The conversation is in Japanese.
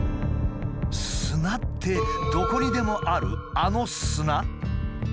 砂ってどこにでもあるあの砂？